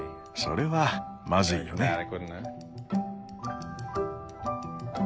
それはまずいよね。